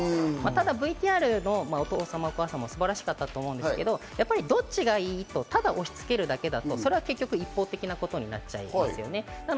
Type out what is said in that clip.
ただＶＴＲのお父様、お母様、素晴らしかったと思うんですけど、どっちがいい？とただ押し付けるだけだと、それは結局、一方的なことになっちゃいます。